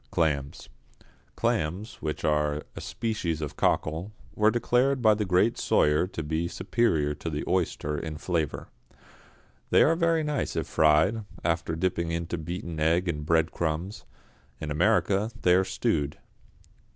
=Clams.= Clams, which are a species of cockle, were declared by the great Soyer to be superior to the oyster in flavour. They are very nice if fried, after dipping into beaten egg and breadcrumbs. In America they are stewed.